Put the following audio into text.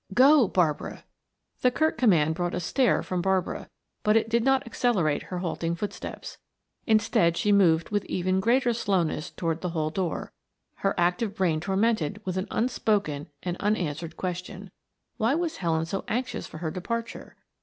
"Go, Barbara." The curt command brought a stare from Barbara, but it did not accelerate her halting footsteps; instead she moved with even greater slowness toward the hall door; her active brain tormented with an unspoken and unanswered question. Why was Helen so anxious for her departure?